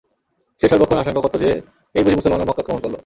সে সর্বক্ষণ আশঙ্কা করত যে, এই বুঝি মুসলমানরা মক্কা আক্রমণ করল।